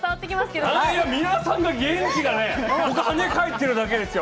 皆さんの元気が跳ね返ってるだけですよ！